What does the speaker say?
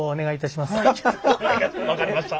分かりました。